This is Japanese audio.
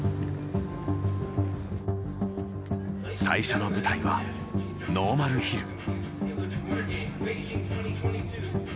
最初の舞台はノーマルヒル。